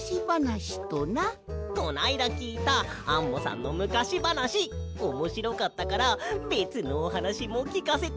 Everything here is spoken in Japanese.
こないだきいたアンモさんのむかしばなしおもしろかったからべつのおはなしもきかせて。